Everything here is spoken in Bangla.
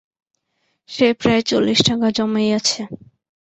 সে প্রায় চল্লিশ টাকা জমাইয়াছে।